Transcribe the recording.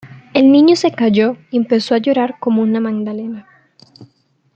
El niño se cayó y empezó a llorar como una magdalena